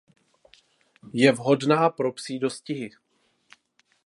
Ja vhodná pro psí dostihy.